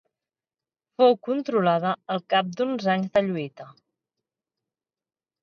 Fou controlada al cap d'uns anys de lluita.